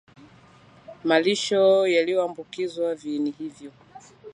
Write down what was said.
malisho yaliyoambukizwa viini hivyo